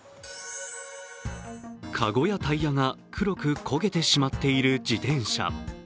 かごやタイヤが黒く焦げてしまっている自転車。